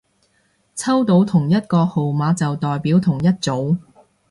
抽到同一個號碼就代表同一組